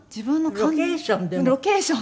ロケーションでも。